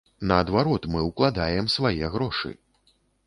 Наадварот, мы ўкладаем свае грошы.